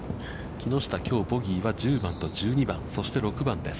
木下、きょう、ボギーは１０番と１２番、そして６番です。